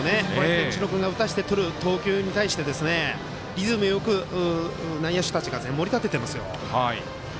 西野君が打たせてとる投球に対して、リズムよく内野手たちが盛り立ててますよ。